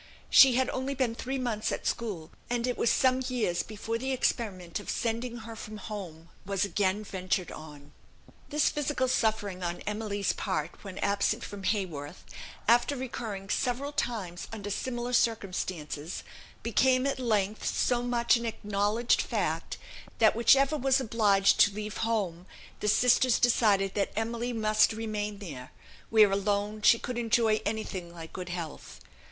She had only been three months at school; and it was some years before the experiment of sending her from home was again ventured on." This physical suffering on Emily's part when absent from Haworth, after recurring several times under similar circumstances, became at length so much an acknowledged fact, that whichever was obliged to leave home, the sisters decided that Emily must remain there, where alone she could enjoy anything like good health.